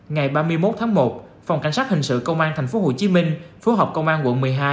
ngày ba mươi một tháng một phòng cảnh sát hình sự công an tp hcm phối hợp công an quận một mươi hai